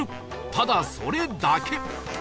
ただそれだけ